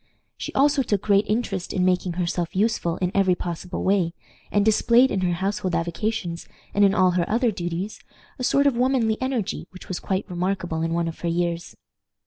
She also took great interest in making herself useful in every possible way, and displayed in her household avocations, and in all her other duties, a sort of womanly energy which was quite remarkable in one of her years.